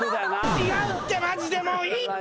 違うってマジでもういいって！